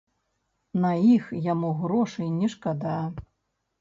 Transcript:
На іх яму грошай не шкада.